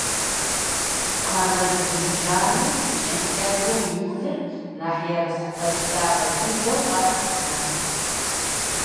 Къэрал зыбжанэм шылъэгум и лыр нэхъ ерыскъы лъапӏэ дыдэу къалъытэ.